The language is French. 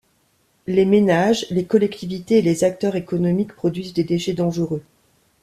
Les ménages, les collectivités et les acteurs économiques produisent des déchets dangereux.